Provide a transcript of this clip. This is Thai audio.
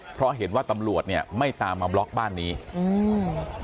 เพราะเห็นว่าตำรวจเนี้ยไม่ตามมาบล็อกบ้านนี้อืม